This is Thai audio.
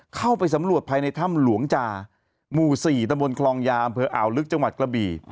เข้าไปสำรวจภายในถ้ำหลวงจาหมู่๔ตะบนคลองยาอำเภออ่าวลึกจังหวัดกระบี่